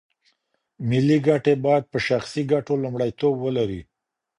ملي ګټې باید په شخصي ګټو لومړیتوب ولري.